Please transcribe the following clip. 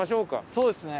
そうですね。